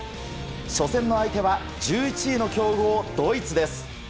初戦の相手は、１１位の強豪、ドイツです。